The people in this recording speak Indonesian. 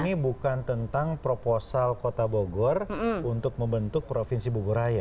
jadi ini bukan tentang proposal kota bogor untuk membentuk provinsi bogoraya